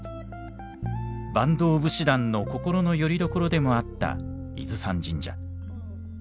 坂東武士団の心のよりどころでもあった伊豆山神社。